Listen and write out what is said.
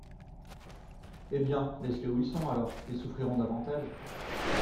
Eh bien ! laisse-les où ils sont, alors ; ils souffriront davantage.